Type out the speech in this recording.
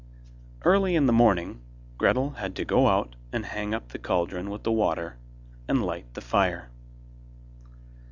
Early in the morning, Gretel had to go out and hang up the cauldron with the water, and light the fire.